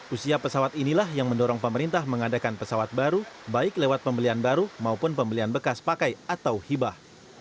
usia pesawat inilah yang mendorong pemerintah mengadakan pesawat baru baik lewat pembelian baru maupun pembelian bekas pakai atau hibah